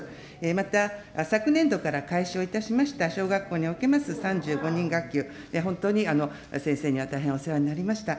また、昨年度から開始をいたしました小学校におけます３５人学級、本当に先生には大変お世話になりました。